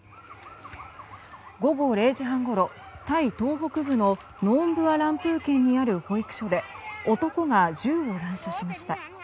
午後０時半ごろタイ東北部のノーンブアランプー県にある保育所で男が銃を乱射しました。